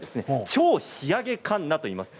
超仕上げかんなといいます。